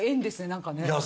何かね。